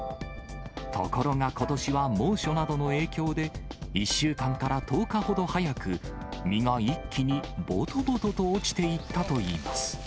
ところがことしは猛暑などの影響で、１週間から１０日ほど早く、実が一気にぼとぼとと落ちていったといいます。